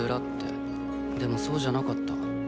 でもそうじゃなかった。